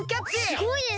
すごいです！